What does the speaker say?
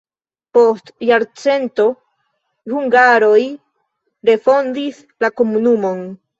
Post jarcento hungaroj refondis la komunumon.